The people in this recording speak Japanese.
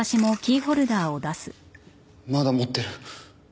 まだ持ってる。